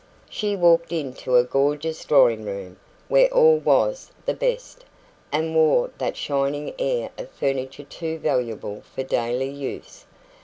She walked into a gorgeous drawing room, where all was of the best, and wore that shining air of furniture too valuable for daily use.